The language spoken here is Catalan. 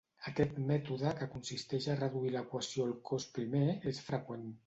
Aquest mètode, que consisteix a reduir l'equació al cos primer és freqüent.